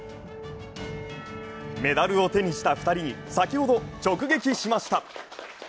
メダルを手にした２人に先ほど直撃しました。